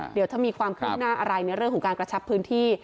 เดี๋ยวถ้ามีความคืบหน้าอะไรในเรื่องของการกระชับพื้นที่